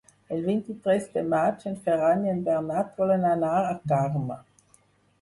El vint-i-tres de maig en Ferran i en Bernat volen anar a Carme.